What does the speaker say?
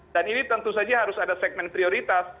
dan ini tentu saja harus ada segmen prioritas